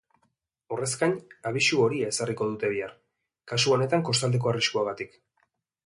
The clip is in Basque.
Horrez gain, abisu horia ezarriko dute bihar, kasu honetan kostaldeko arriskuagatik.